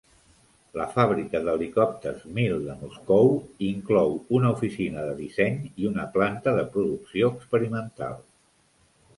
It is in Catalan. La Fàbrica d'Helicòpters Mil de Moscú inclou una oficina de disseny i una planta de producció experimental.